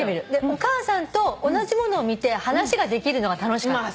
お母さんと同じ物を見て話ができるのが楽しかった。